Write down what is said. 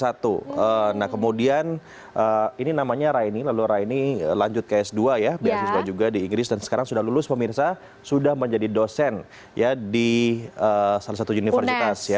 nah kemudian ini namanya raini lalu raini lanjut ke s dua ya beasiswa juga di inggris dan sekarang sudah lulus pemirsa sudah menjadi dosen ya di salah satu universitas